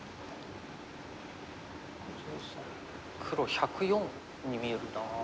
黒１０４に見えるな。